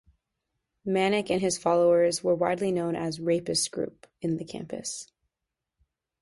Manik and his followers were widely known as ""Rapist Group"" in the campus.